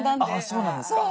そうなんですか。